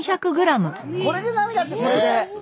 これで並だってこれで。